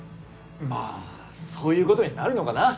まあそういうことになるのかな。